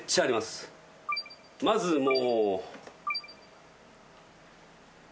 まずもう。